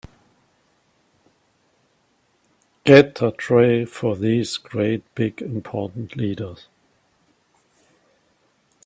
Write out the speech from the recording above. Get a tray for these great big important leaders.